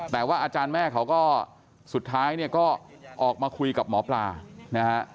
แต่ว่าอาจารย์แม่เขาก็สุดท้ายเนี่ยก็ออกมาคุยกับหมอปลานะฮะ